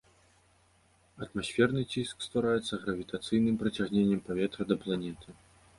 Атмасферны ціск ствараецца гравітацыйным прыцягненнем паветра да планеты.